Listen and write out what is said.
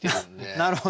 なるほど。